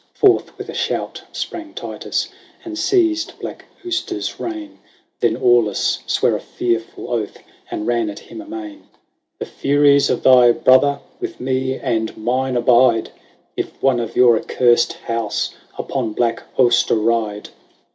Forth with a shout sprang Titus, And seized black Auster's rein. Then Aulus sware a fearful oath. And ran at him amain. " The furies of thy brother With me and mine abide. If one of your accursed house Upon black Auster ride